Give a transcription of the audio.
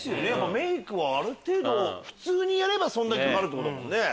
メイクは普通にやればそんだけかかるってことだもんね。